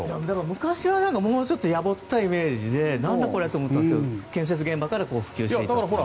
昔はもうちょっとやぼったいイメージで何だこれって思ったんですが建設現場から普及していって。